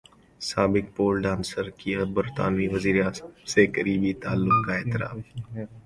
سابق pole dancer کا برطانوی وزیراعظم سے قریبی تعلق کا اعتراف